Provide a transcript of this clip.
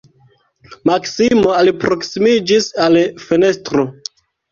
Maksimo alproksimiĝis al fenestro.